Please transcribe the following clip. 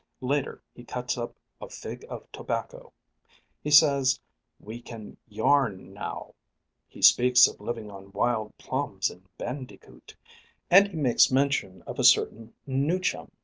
Later he cuts up "a fig of tobacco;" he says "we can yarn now;" he speaks of living on "wild plums and bandicoot;" and he makes mention of "a certain newchum."